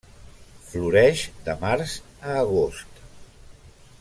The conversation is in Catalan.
Floreix de març a agost.